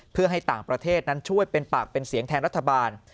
เพื่อให้ต่างประเทศนั้นช่วยเป็นปากเป็นเสียงแทนรัฐบาล